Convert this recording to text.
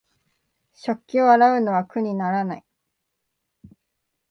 食器を洗うのは苦にならない